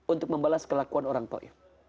untuk membalas kelakuan orang taif